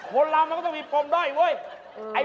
คนรำมันก็ต้องขึบคลมด้อยอีก